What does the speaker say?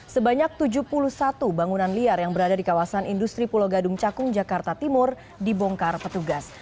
sebanyak tujuh puluh satu bangunan liar yang berada di kawasan industri pulau gadung cakung jakarta timur dibongkar petugas